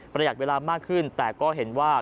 หยัดเวลามากขึ้นแต่ก็เห็นว่า